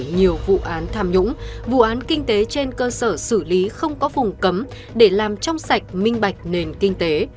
nhiều vụ án tham nhũng vụ án kinh tế trên cơ sở xử lý không có vùng cấm để làm trong sạch minh bạch nền kinh tế